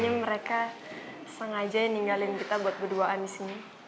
kayaknya mereka sengaja ninggalin kita buat berduaan disini